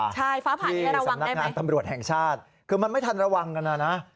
ใช่ฟ้าผ่านี่ได้ระวังได้มั้ยคือสำนักงานตำรวจแห่งชาติคือมันไม่ทันระวังกันน่ะนะ